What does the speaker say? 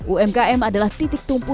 umkm adalah titik tumpu